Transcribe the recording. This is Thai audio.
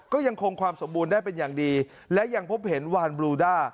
ก็ยังคงความสมบูรณ์ได้เป็นอย่างดีและยังพบเห็นวานบลูด้า